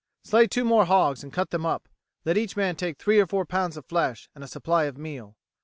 Slay two more hogs and cut them up. Let each man take three or four pounds of flesh and a supply of meal."